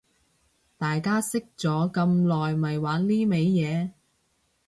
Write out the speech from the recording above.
大家識咗咁耐咪玩呢味嘢